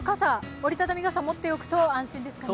折り畳みの傘を持っていると安心ですかね。